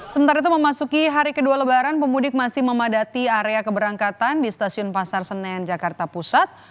sementara itu memasuki hari kedua lebaran pemudik masih memadati area keberangkatan di stasiun pasar senen jakarta pusat